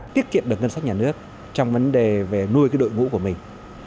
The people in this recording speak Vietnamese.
tiết kiệm được ngân sách nhà nước trong vấn đề về nuôi đội ngũ của mình